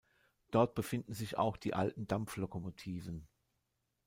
Dort befinden sich auch die alten Dampflokomotiven.